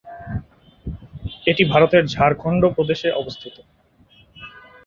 এটি ভারতের ঝাড়খণ্ড প্রদেশে অবস্থিত।